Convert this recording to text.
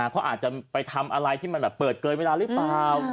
เขาอาจจะไปทำอะไรที่มันแบบเปิดเกินเวลาหรือเปล่า